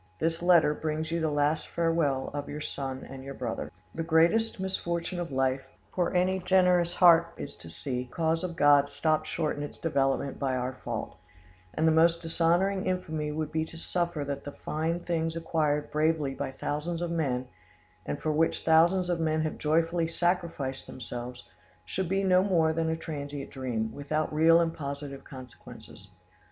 "This letter brings you the last farewell of your son and your brother. "The greatest misfortune of life far any generous heart is to see the cause of God stopped short in its developments by our fault; and the most dishonouring infamy would be to suffer that the fine things acquired bravely by thousands of men, and far which thousands of men have joyfully sacrificed themselves, should be no more than a transient dream, without real and positive consequences.